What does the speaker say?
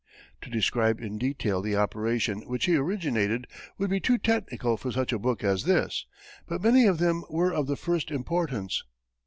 To describe in detail the operations which he originated would be too technical for such a book as this, but many of them were of the first importance.